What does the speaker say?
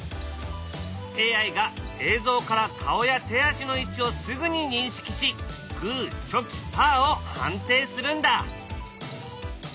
ＡＩが映像から顔や手足の位置をすぐに認識しグーチョキパーを判定するんだ！